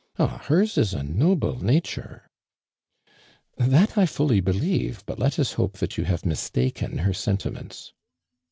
Ah, licrs in a noble nature !"" That I fully believe, hut let us hope that you have miHtaken hor sentlmontB.''